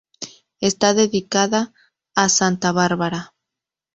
Está dedicada a Santa Bárbara.